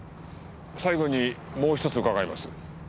最後にもう一つ伺います。